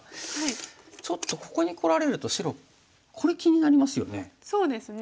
ちょっとここにこられると白これ気になりますよね。